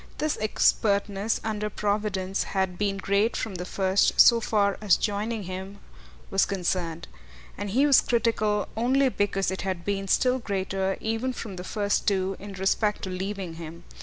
This expertness, under providence, had been great from the first, so far as joining him was concerned; and he was critical only because it had been still greater, even from the first too, in respect to leaving him.